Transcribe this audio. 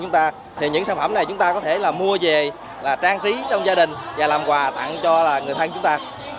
chúng ta thì những sản phẩm này chúng ta có thể là mua về là trang trí trong gia đình và làm quà tặng cho người thân chúng ta